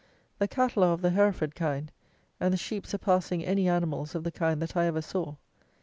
The cattle are of the Hereford kind, and the sheep surpassing any animals of the kind that I ever saw.